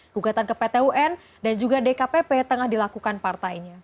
gugatan ke pt un dan juga dkpp tengah dilakukan partainya